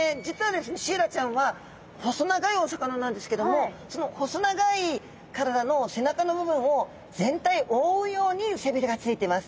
シイラちゃんは細長いお魚なんですけどもその細長い体の背中の部分を全体覆うように背鰭がついてます。